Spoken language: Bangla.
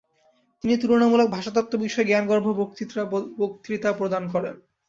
তিনি তুলনামূলক ভাষাতত্ত্ব বিষয়ে জ্ঞানগর্ভ বক্তৃতা প্রদান করেন।